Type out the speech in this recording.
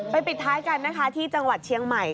ปิดท้ายกันนะคะที่จังหวัดเชียงใหม่